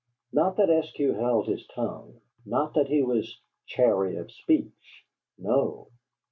Not that Eskew held his tongue, not that he was chary of speech no!